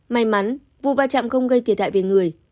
may mắn vụ va chạm không gây thiệt hại về người